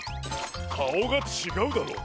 かおがちがうだろう。